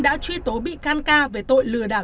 đã truy tố bị can ca về tội lừa đảo